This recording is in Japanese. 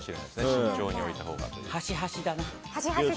慎重に置いたほうがという。